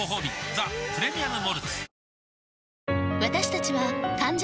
「ザ・プレミアム・モルツ」